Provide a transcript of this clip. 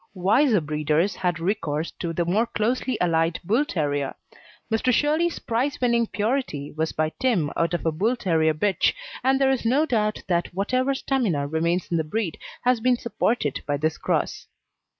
Wiser breeders had recourse to the more closely allied Bull terrier; Mr. Shirley's prize winning Purity was by Tim out of a Bull terrier bitch, and there is no doubt that whatever stamina remains in the breed has been supported by this cross.